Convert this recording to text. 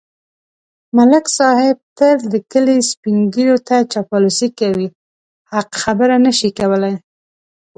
ملک صاحب تل د کلي سپېنږیروته چاپلوسي کوي. حق خبره نشي کولای.